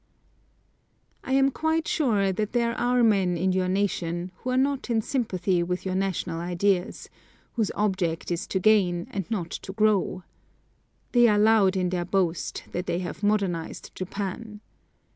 I am quite sure that there are men in your nation, who are not in sympathy with your national ideals; whose object is to gain, and not to grow. They are loud in their boast, that they have modernised Japan.